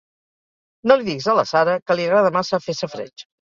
No li diguis a la Sara, que li agrada massa fer safareig.